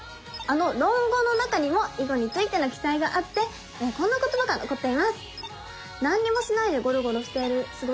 あの「論語」の中にも囲碁についての記載があってこんな言葉が残っています。